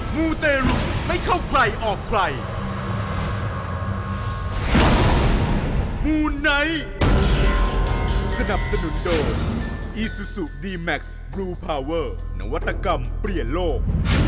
มูนายทสนับสนุนโดอีซูซูดีแม็กซ์บลูพาเวอร์นวัตกรรมเปลี่ยนโลก